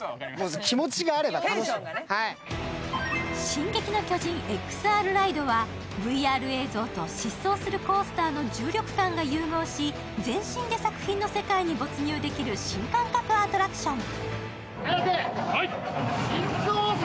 進撃の巨人ＸＲライドは、ＶＲ映像と疾走するコースターの重力感が融合し全身で作品の世界に没入できる新感覚アトラクション。